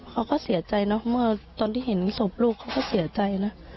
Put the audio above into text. เขาก็เสียใจเนอะเมื่อตอนที่เห็นศพลูกเขาก็เสียใจนะ